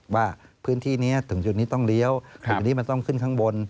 ว่าพื้นที่นี้ถึงจุดนี้ต้องเลี้ยวจุดนี้มันต้องขึ้นข้างบน